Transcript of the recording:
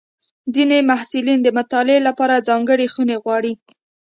ځینې محصلین د مطالعې لپاره ځانګړې خونه غواړي.